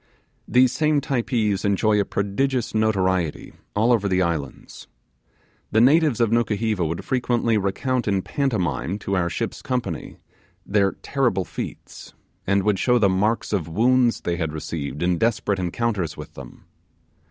These same Typees enjoy a prodigious notoriety all over the islands. The natives of Nukuheva would frequently recount in pantomime to our ship's company their terrible feats, and would show the marks of wounds they had received in desperate encounters with them.